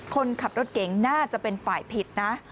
คนขับรถเก๋งน่าจะเป็นฝ่ายผิดนะ